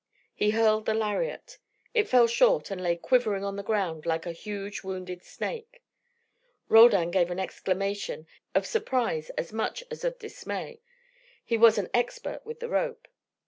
He hurled the lariat. It fell short, and lay quivering on the ground like a huge wounded snake. Roldan gave an exclamation, of surprise as much as of dismay: he was an expert with the rope.